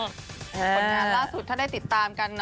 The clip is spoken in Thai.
ผลงานล่าสุดถ้าได้ติดตามกันนะ